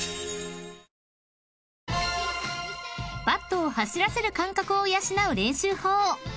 ［バットを走らせる感覚を養う練習法］